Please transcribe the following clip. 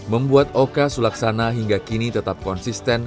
membuat oka sulaksana hingga kini tetap konsisten